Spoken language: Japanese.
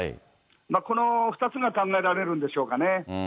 この２つが考えられるんでしょうかね。